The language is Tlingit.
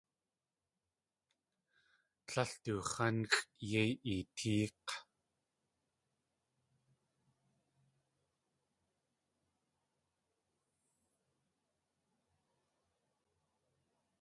Líl du x̲ánxʼ yéi eetéek̲!